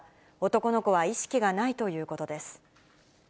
男の子は意識がないということです。